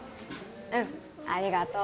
うんありがとう